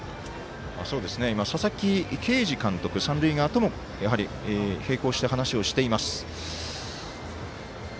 佐々木啓司監督三塁側ともやはり並行して話をしています。